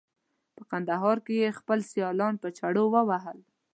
په کندهار کې یې خپل سیالان په چړو وهل.